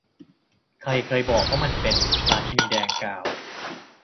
ใครเคยบอกว่ามันเป็น ? ราชินีแดงกล่าว